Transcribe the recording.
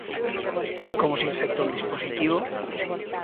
Como se infecta un dispositivo?